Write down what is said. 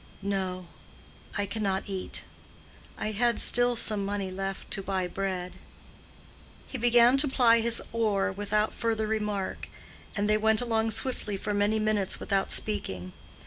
"No; I cannot eat. I had still some money left to buy bread." He began to ply his oar without further remark, and they went along swiftly for many minutes without speaking.